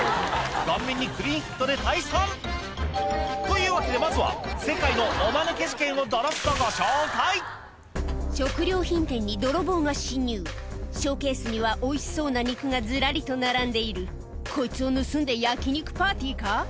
顔面にクリーンヒットで退散というわけでまずはどどっとご紹介食料品店に泥棒が侵入ショーケースにはおいしそうな肉がずらりと並んでいるこいつを盗んで焼き肉パーティーか？